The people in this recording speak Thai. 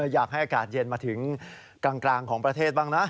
อยากให้อากาศเย็นมาถึงกลางของประเทศบ้างนะ